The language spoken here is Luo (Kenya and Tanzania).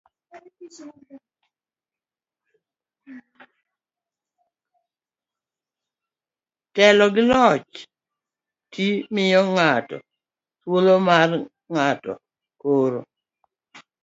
telo gi loch ti miyo ng'ato thuolo mar ng'ato koro